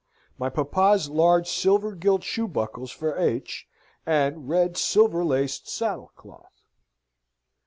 My Papa's large silver gilt shoe buckles for H., and red silver laced saddle cloth."